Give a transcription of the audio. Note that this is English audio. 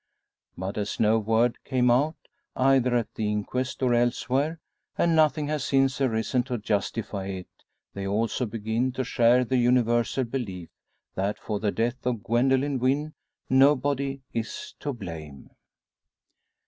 But as no word came out, either at the inquest or elsewhere, and nothing has since arisen to justify it, they also begin to share the universal belief, that for the death of Gwendoline Wynn nobody is to blame.